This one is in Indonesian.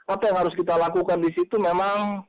apa yang harus kita lakukan di situ memang